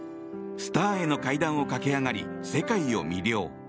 スターへの階段を駆け上がり世界を魅了。